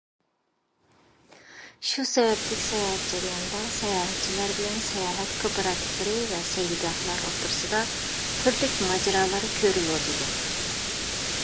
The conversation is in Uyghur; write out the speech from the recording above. شۇ سەۋەبلىك ساياھەت جەريانىدا ساياھەتچىلەر بىلەن ساياھەت كوپىراتىپلىرى ۋە سەيلىگاھلار ئوتتۇرىسىدا تۈرلۈك ماجىرالار كۆرۈلۈۋاتىدۇ.